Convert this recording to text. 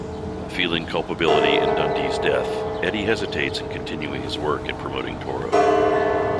Feeling culpability in Dundee's death, Eddie hesitates in continuing his work in promoting Toro.